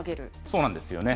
そうなんですよね。